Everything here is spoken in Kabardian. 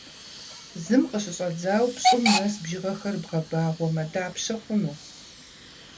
Зым къыщыщӏэдзауэ пщӏым нэс бжыгъэхэр бгъэбагъуэмэ, дапщэ хъуну?